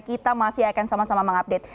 kita masih akan sama sama mengupdate